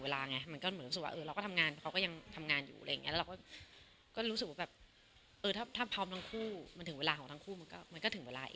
และเรื่องความพร้อมถ้าพร้อมก็